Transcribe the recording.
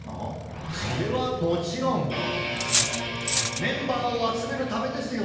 それはもちろんメンバーをあつめるためですよ。